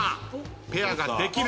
ペアができる。